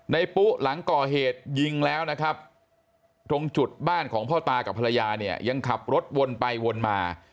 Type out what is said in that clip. ปุ๊หลังก่อเหตุยิงแล้วนะครับตรงจุดบ้านของพ่อตากับภรรยาเนี่ยยังขับรถวนไปวนมา